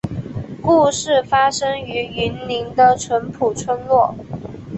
故事发生于云林的纯朴村落